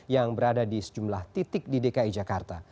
yang berada di sejumlah titik di dki jakarta